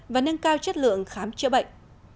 và nâng cao chất lượng khám chữa bệnh